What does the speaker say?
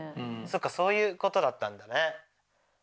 そっかそういうことだったんだね。